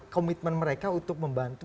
komitmen mereka untuk membantu